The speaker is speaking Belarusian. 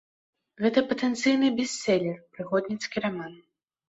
Гэта патэнцыйны бэстселер, прыгодніцкі раман.